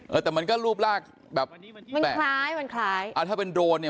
เออแต่มันก็รูปร่างแบบมันคล้ายมันคล้ายอ่าถ้าเป็นโรนเนี่ย